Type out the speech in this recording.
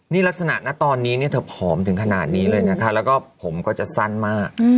นี่ลักษณะนะตอนนี้เนี่ยเธอผอมถึงขนาดนี้เลยนะคะแล้วก็ผมก็จะสั้นมาก